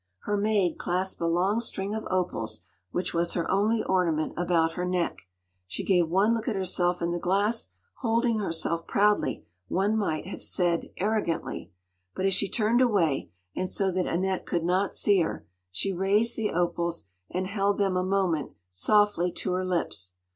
Her maid clasped a long string of opals, which was her only ornament, about her neck. She gave one look at herself in the glass, holding herself proudly, one might have said arrogantly. But as she turned away, and so that Annette could not see her, she raised the opals, and held them a moment softly to her lips.